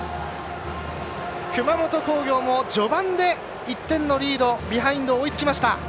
熊本工業も序盤で１点のリードビハインド、追いつきました。